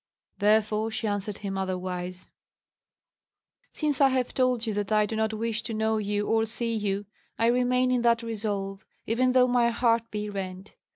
Therefore she answered him otherwise: "Since I have told you that I do not wish to know you or see you, I remain in that resolve, even though my heart be rent.